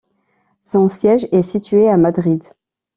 Son siège est situé à Madrid.